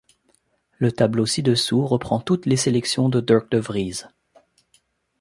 Le tableau ci-dessous reprend toutes les sélections de Dirk De Vriese.